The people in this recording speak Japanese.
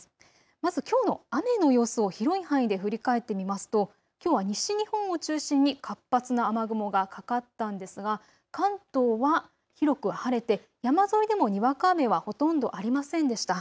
まずきょうの雨の様子を広い範囲で振り返ってみますときょうは西日本を中心に活発な雨雲がかかったんですが関東は広く晴れて山沿いでもにわか雨はほとんどありませんでした。